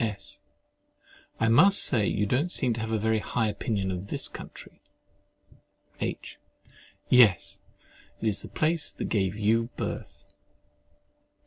S. I must say, you don't seem to have a very high opinion of this country. H. Yes, it is the place that gave you birth.